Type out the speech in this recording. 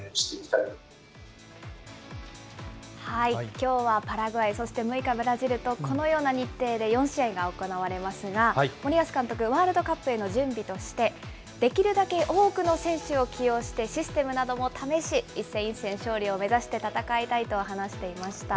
きょうはパラグアイ、そして６日ブラジルと、このような日程で４試合が行われますが、森保監督、ワールドカップへの準備として、できるだけ多くの選手を起用して、システムなども試し、一戦一戦勝利を目指して戦いたいと話していました。